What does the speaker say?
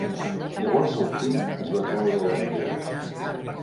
Llavors el Tim es va treure les ulleres.